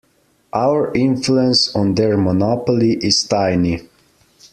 Our influence on their monopoly is tiny.